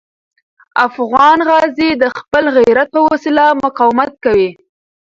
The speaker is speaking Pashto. افغان غازي د خپل غیرت په وسیله مقاومت کوي.